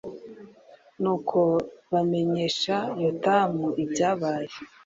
nuko bamenyesha yotamu ibyabaye